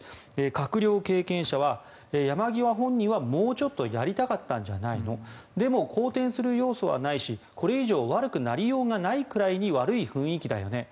閣僚経験者は山際本人はもうちょっとやりたかったんじゃないのでも、好転する要素はないしこれ以上悪くなりようがないくらいに悪い雰囲気だよね